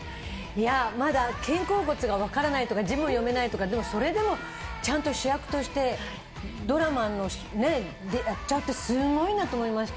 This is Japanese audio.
まだ肩甲骨がわからないとか字も読めないとか、それでもちゃんと主役としてドラマをやっちゃってすごいなと思いました。